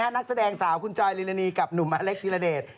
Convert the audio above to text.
นักแสดงสาวคุณจอยลิลานีกับหนุ่มอเล็กธิระเดช